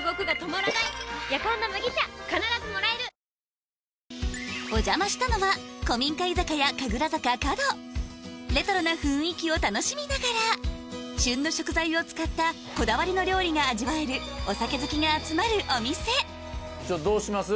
ニトリお邪魔したのは古民家居酒屋レトロな雰囲気を楽しみながら旬の食材を使ったこだわりの料理が味わえるお酒好きが集まるお店どうします？